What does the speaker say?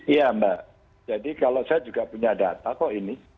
iya mbak jadi kalau saya juga punya data kok ini